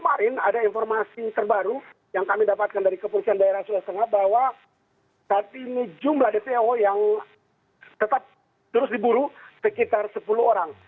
dan ada informasi terbaru yang kami dapatkan dari kepolisian daerah sulawesi tengah bahwa saat ini jumlah dpo yang tetap terus diburu sekitar sepuluh orang